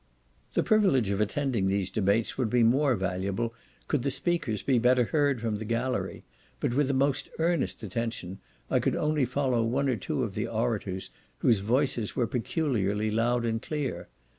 The privilege of attending these debates would be more valuable could the speakers be better heard from the gallery; but, with the most earnest attention, I could only follow one or two of the orators, whose voices were peculiarly loud and clear.